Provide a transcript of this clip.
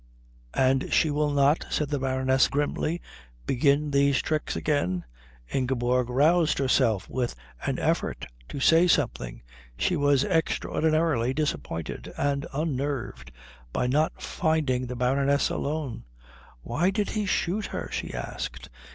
"And she will not," said the Baroness grimly, "begin these tricks again." Ingeborg roused herself with an effort to say something. She was extraordinarily disappointed and unnerved by not finding the Baroness alone. "Why did he shoot her?" she asked.